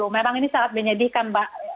memang ini sangat menyedihkan mbak